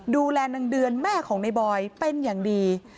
ดูแลนางเดือนแม่ของในบอยเป็นอย่างดี